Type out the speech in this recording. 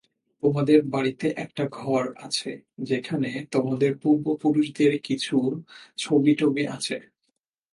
তোমাদের বাড়িতে একটা ঘর আছে, যেখানে তোমাদের পূর্বপুরুষদের কিছু ছবিটবি আছে।